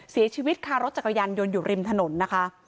เสียชีวิตค่ะรถจักรยานยนต์อยู่ริมถนนนะคะ